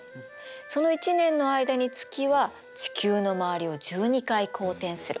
その１年の間に月は地球の周りを１２回公転する。